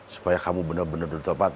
supaya kamu benar benar bertopat